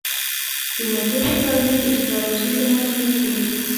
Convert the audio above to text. د موټرو تولید د ټکنالوژۍ پرمختګ ښيي.